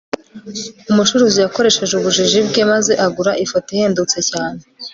umucuruzi yakoresheje ubujiji bwe maze agura ifoto ihendutse cyane